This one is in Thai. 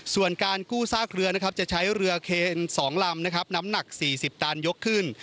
ส่วนการกู้ซากเรือจะใช้เรือเครนสองลำน้ำหนัก๔๐ตันยกขึ้น